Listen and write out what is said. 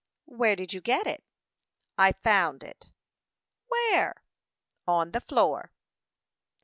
"Where did you get it?" "I found it." "Where?" "On the floor."